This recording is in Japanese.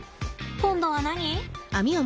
今度は何？